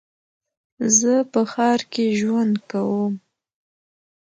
زه په ښار کې ژوند کوم.